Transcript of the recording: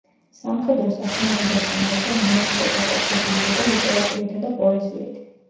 სამხედრო საქმიანობასთან ერთად მოლტკე გატაცებული იყო ლიტერატურითა და პოეზიით.